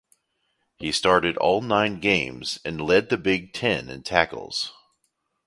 He started all nine games and led the Big Ten in tackles.